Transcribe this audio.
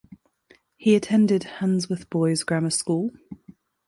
He attended Handsworth Boys Grammar School.